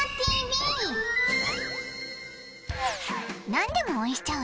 何でも応援しちゃう